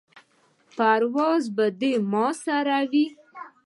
پرواز به دې ما سره وي.